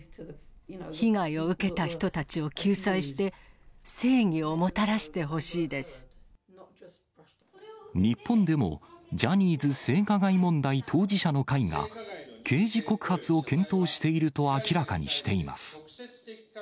被害を受けた人たちを救済して、日本でも、ジャニーズ性加害問題当事者の会が刑事告発を検討していると明らかにしています。